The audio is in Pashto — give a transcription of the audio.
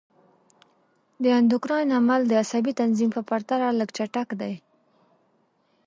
د اندوکراین عمل د عصبي تنظیم په پرتله لږ چټک دی.